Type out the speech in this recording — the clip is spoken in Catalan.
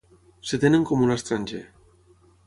Es tenen com un estranger.